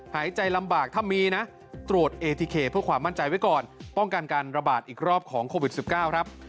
หายใจลำบากถ้ามีนะตรวจเอทีเคเพื่อความมั่นใจไว้ก่อนป้องกันการระบาดอีกรอบของโควิด๑๙ครับ